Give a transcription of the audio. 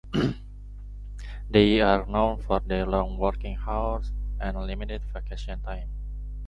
They are known for their long working hours and limited vacation time.